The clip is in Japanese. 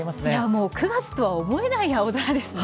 もう９月とは思えない青空ですね。